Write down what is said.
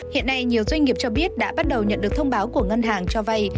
hiện nay nhiều doanh nghiệp cho biết đã bắt đầu nhận được thông báo của ngân hàng cho vay